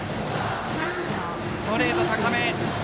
ストレート高め。